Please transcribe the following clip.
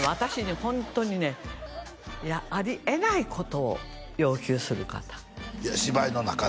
ホントにねいやあり得ないことを要求する方芝居の中で？